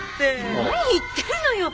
何言ってるのよ！？